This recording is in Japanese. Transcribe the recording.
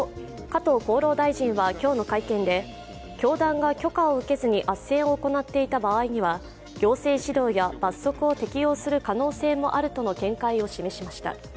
加藤厚労大臣は今日の会見で、教団が許可を受けずにあっせんを行っていた場合には行政指導や罰則を適用する可能性もあるとの見解を示しました。